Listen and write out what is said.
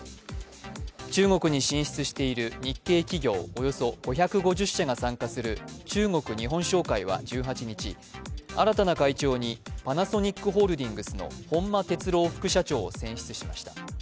およそ５５０社が参加する中国日本商会は１８日、新たな会長にパナソニックホールディングスの本間哲朗副社長を選出しました。